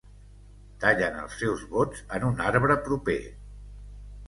Tallen els seus vots en un arbre proper.